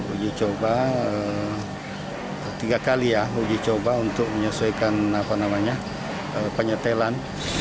uji coba tiga kali ya uji coba untuk menyesuaikan penyetelan